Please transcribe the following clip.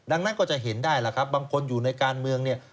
ดังนั้นก็จะเห็นได้ล่ะครับบางคนอยู่ในการเมืองเนี่ย